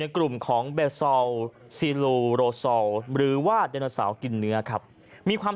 กลุ่มของเบซอลซีลูโรซอลหรือว่าไดโนเสาร์กินเนื้อครับมีความ